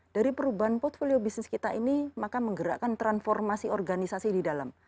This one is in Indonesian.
dari perubahan portfolio bisnis kita ini maka menggerakkan transformasi organisasi di dalam